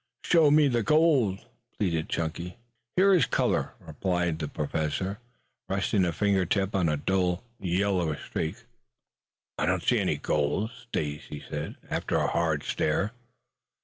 "Show me the gold," pleaded Chunky. "Here is color," replied the Professor, resting a fingertip on a dull yellowish streak. "I don't see the gold," said Stacy, after a hard stare.